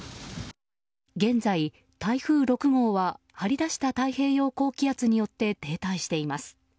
現在、台風６号は張り出した太平洋高気圧によって停滞しています。